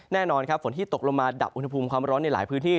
แน่นอนครับฝนที่ตกลงมาดับอุณหภูมิความร้อนในหลายพื้นที่